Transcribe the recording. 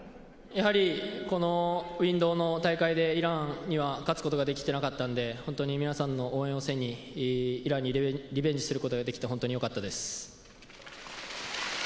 やはりこのＷｉｎｄｏｗの大会で、イランに勝つことはできていなかったので本当に皆さんの応援を背に、イランにリベンジすることができてよかったです。